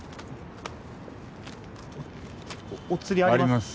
おお釣りあります？